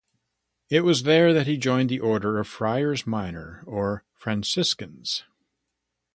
It was there that he joined the Order of Friars Minor or Franciscans.